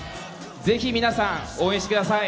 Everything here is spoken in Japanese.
ぜひ皆さん、応援してください。